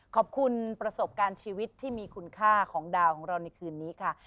ขอบคุณประสบการณ์ชีวิตที่มีคุณค่าของดาวของเราในคืนนี้ค่ะ